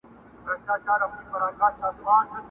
o شرمښکۍ د مار سره غځېده، پر منځ دوه ځايه سوه.